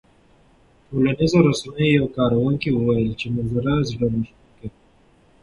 ټولنیزو رسنیو یو کاروونکي وویل چې منظره زړه راښکونکې ده.